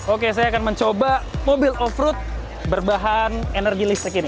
oke saya akan mencoba mobil off road berbahan energi listrik ini